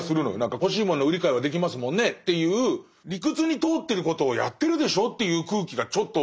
「欲しい物の売り買いはできますもんね」っていう「理屈に通ってることをやってるでしょ」という空気がちょっと。